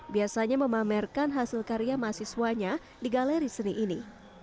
biasanya memamerkan hasil karya mahasiswanya di galeri seni ini